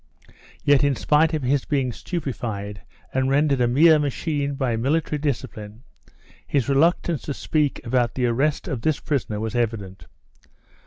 Yet, in spite of his being stupefied, and rendered a mere machine by military discipline, his reluctance to speak about the arrest of this prisoner was evident.